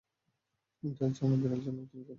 বিড়াল ছানা, বিড়াল ছানা, কোথায় তুমি থাকো?